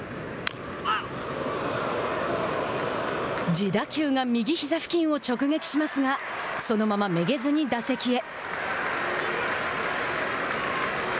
自打球が右ひざ付近を直撃しますがそのままめげずに打席へ。